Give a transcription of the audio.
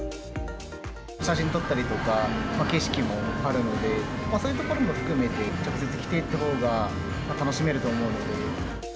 写真撮ったりとか、景色もあるので、そういうところも含めて、直接来てというほうが楽しめると思うので。